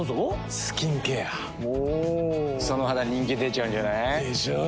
その肌人気出ちゃうんじゃない？でしょう。